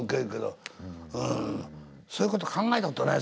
そういうこと考えたことないですか？